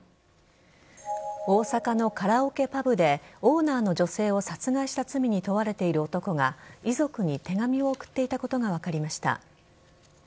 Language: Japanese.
大阪のカラオケパブでオーナーの女性を殺害した罪に問われている男が遺族に手紙を送っていたことが分かりました。